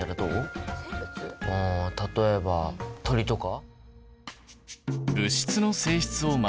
例えば鳥とか？